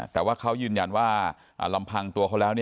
แต่ว่าเขายืนยันว่าลำพังตัวเขาแล้ว